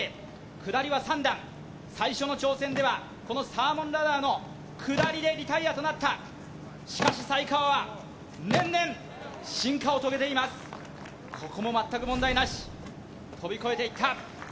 下りは３段最初の挑戦ではこのサーモンラダーの下りでリタイアとなったしかし才川は年々進化を遂げていますＯＫさあ